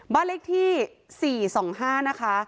บ้านเลขที่๔๒๕นะคะ